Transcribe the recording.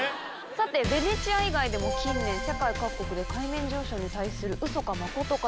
さてベネチア以外でも近年世界各国で海面上昇に対するウソかマコトか？